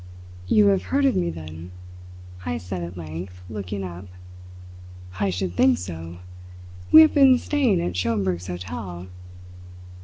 "You have heard of me, then?" Heyst said at length, looking up. "I should think so! We have been staying at Schomberg's hotel."